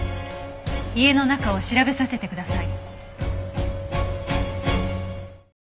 家の中を調べさせてください。